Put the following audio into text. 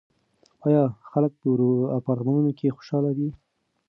آیا خلک په اپارتمانونو کې خوشحاله دي؟